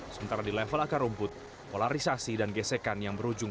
sementara di level akar rumput polarisasi dan gesekan yang berujung